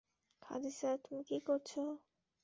খাদিজাহ, তুমি কি করছো?